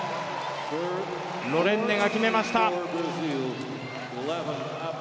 ロレンネが決めました。